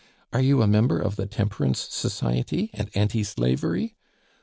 Are you a member of the Temperance Society and anti slavery?